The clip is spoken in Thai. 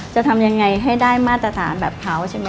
จะทำยังไงให้ได้มาตรฐานแบบเคียลใช่มั้ยครับ